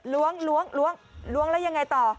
ล้วงล้วงล้วงล้วงแล้วยังไงต่อ